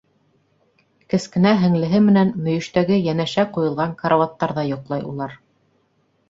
Кескенә һеңлеһе менән мөйөштәге йәнәшә ҡуйылған карауаттарҙа йоҡлай улар.